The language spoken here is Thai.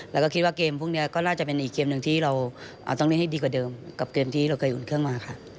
แล้วก็คิดว่าเกมพวกนี้ก็น่าจะเป็นอีกเกมหนึ่งที่เราต้องเล่นให้ดีกว่าเดิมกับเกมที่เราเคยอุ่นเครื่องมาค่ะ